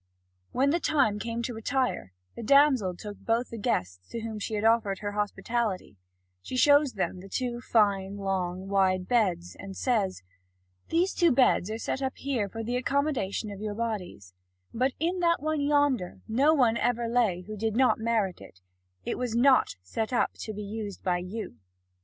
When the time came to retire, the damsel took both the guests to whom she had offered her hospitality; she shows them the two fine, long, wide beds, and says: "These two beds are set up here for the accommodation of your bodies; but in that one yonder no one ever lay who did not merit it: it was not set up to be used by you."